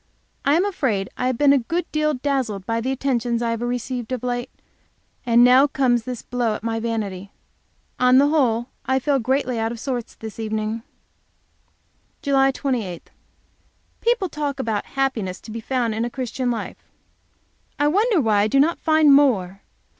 I am afraid I have been a good deal dazzled by the attentions I have received of late; and now comes this blow at my vanity. On the whole, I feel greatly out of sorts this evening. JULY 28. People talk about happiness to be found in a Christian life. I wonder why I do not find more!